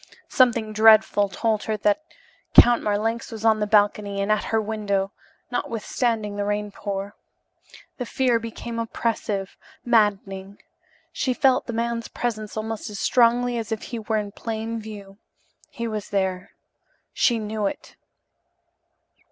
Something dreadful told her that Count Marlanx was on the balcony and at her window, notwithstanding the rain pour. The fear became oppressive, maddening. She felt the man's presence almost as strongly as if he were in plain view. He was there, she knew it.